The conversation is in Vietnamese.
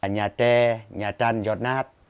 nhà tre nhà trăn giọt nát